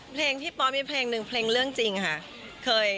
เพลงที่ป๊อปมีเพลงหนึ่งเพลงเรื่องจริงค่ะ